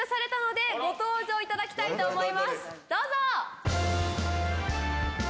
どうぞ！